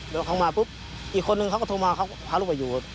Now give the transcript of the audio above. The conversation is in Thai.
แล้วเขามาปุ๊บอีกคนนึงเขาก็โทรมาเขาพาลูกไปอยู่